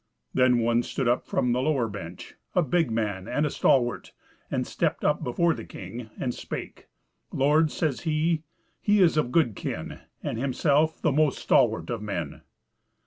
Then one stood up from the lower bench, a big man and a stalwart, and stepped up before the king, and spake: "Lord," says he, "he is of good kin, and himself the most stalwart of men."